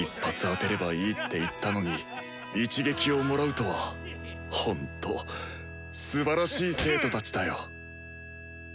当てればいいって言ったのに「一撃」をもらうとはほんとすばらしい生徒たちだよ！